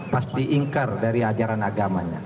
pasti ingkar dari ajaran agamanya